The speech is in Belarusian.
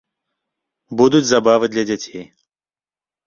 Будуць забавы для дзяцей.